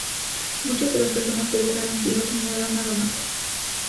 Muchas de las personas que dejaron Tiro se mudaron a Damasco.